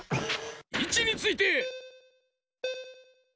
いちについて。